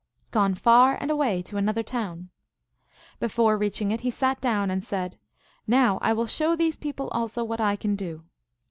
Gone far and away to another town. Before reach ing it he sat down, and said, " Now I will show these people also what I can do."